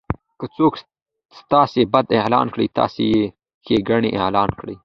که څوک ستاسي بدي اعلان کړي؛ تاسي ئې ښېګړني اعلان کړئ!